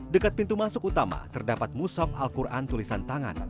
dekat pintu masuk utama terdapat musaf al quran tulisan tangan